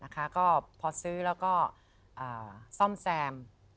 ก็พอซื้อแล้วก็ซ่อมแซม